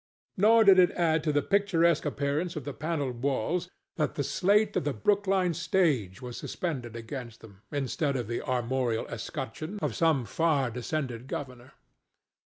Nor did it add to the picturesque appearance of the panelled walls that the slate of the Brookline stage was suspended against them, instead of the armorial escutcheon of some far descended governor.